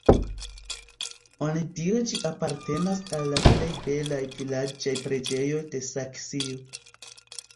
Onidire ĝi apartenas al la plej belaj vilaĝaj preĝejoj de Saksio.